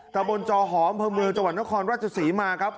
แต่บนจอหอมเพิ่มมือจพนครราชศรีมาครับ